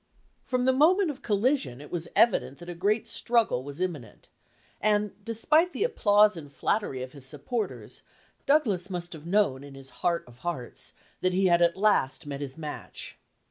From the moment of collision it was evident that a great struggle was imminent, and, despite 270 LAW IN THE DEBATE the applause and flattery of his supporters, Douglas must have known in his heart of hearts that he had at last met his match.